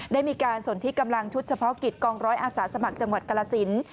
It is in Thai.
ได้มีการสนที่กำลังชุดเฉพาะกิจกองร้อยอาสาสมัครจังหวัดกรสิน